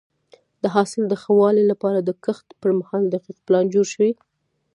د حاصل د ښه والي لپاره د کښت پر مهال دقیق پلان جوړ شي.